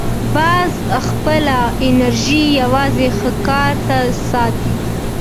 باز خپله انرژي یوازې ښکار ته ساتي